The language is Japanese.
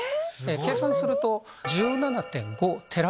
計算すると。